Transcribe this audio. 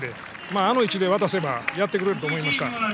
あの位置で渡せばやってくれると思いました。